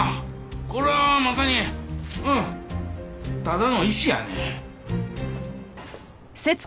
これはまさにうんただの石やね。